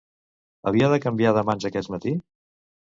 Havia de canviar de mans aquest matí?